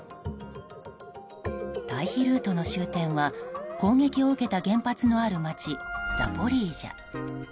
退避ルートの終点は攻撃を受けた原発のある街ザポリージャ。